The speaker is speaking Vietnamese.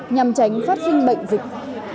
nhằm tránh phát sinh bệnh dịch